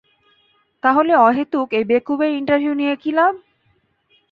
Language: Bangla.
তাহলে অহেতুক এই বেকুবের ইন্টারভিউ নিয়ে কি লাভ?